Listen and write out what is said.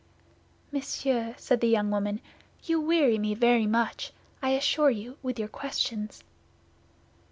"Monsieur," said the young woman, "you weary me very much, I assure you, with your questions."